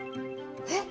えっ？